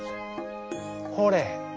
「ほれ。